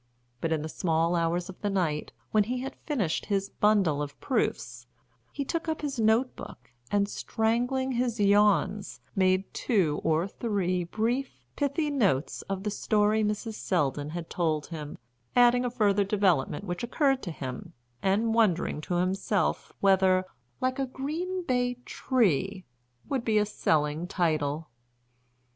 But in the small hours of the night, when he had finished his bundle of proofs, he took up his notebook and, strangling his yawns, made two or three brief, pithy notes of the story Mrs. Selldon had told him, adding a further development which occurred to him, and wondering to himself whether "Like a Green Bay Tree" would be a selling title.